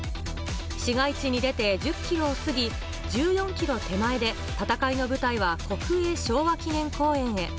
市街地に出て１０ｋｍを過ぎ、１４ｋｍ手前で戦いの舞台は国営昭和記念公園へ。